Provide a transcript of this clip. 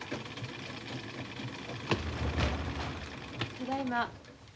ただいま。